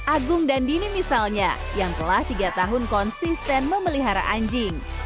agung dan dini misalnya yang telah tiga tahun konsisten memelihara anjing